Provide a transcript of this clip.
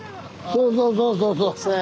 そうそうそうそうそう。